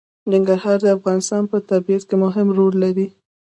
ننګرهار د افغانستان په طبیعت کې مهم رول لري.